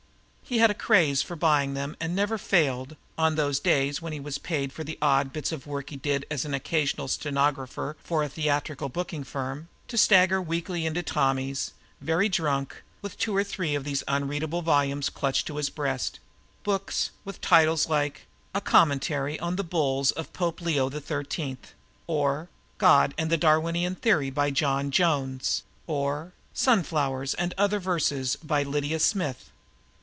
He had a craze for buying them and never failed, on the days he was paid for the odd bits of work he did as occasional stenographer for a theatrical booking firm, to stagger weakly into Tommy's, very drunk, with two or three of these unreadable volumes clutched to his breast books with titles like: "A Commentary on the Bulls of Pope Leo XIII," or "God and the Darwinian Theory" by John Jones, or "Sunflowers and Other Verses" by Lydia Smith.